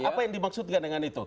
apa yang dimaksudkan dengan itu